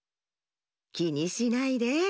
きにしないで。